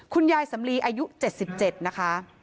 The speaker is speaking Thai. คุณยายสำลีอายุ๗๗นะคะ